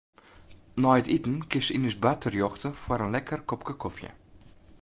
Nei iten kinst yn ús bar terjochte foar in lekker kopke kofje.